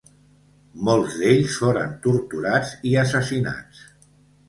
Molts d'ells foren torturats i assassinats.